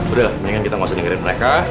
udah mendingan kita gak usah ninggerin mereka